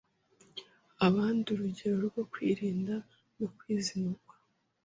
abandi urugero rwo kwirinda no kwizinukwa